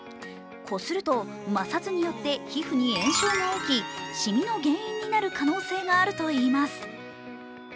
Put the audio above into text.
こすると摩擦によって皮膚に炎症が起きしみの原因になる可能性があるといいます。